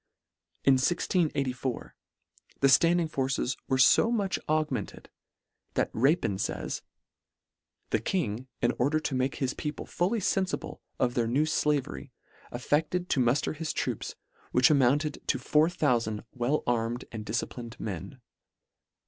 In 1684, the flanding forces were fo much augmented, that Rapin fays —" The King, in order to make his people fully fenfible of their new flavery, aflecled to mufter his troops, which amounted to 4000 well armed and disciplined men."